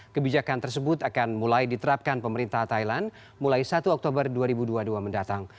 kebijakan tersebut akan mulai diterapkan pemerintah thailand mulai satu oktober dua ribu dua puluh dua mendatang